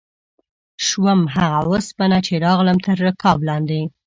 شوم هغه اوسپنه چې راغلم تر رکاب لاندې